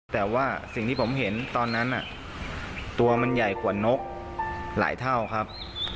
แต่ว่าสิ่งที่ผมเห็นตอนนั้นตัวมันใหญ่กว่านกหลายเท่าครับ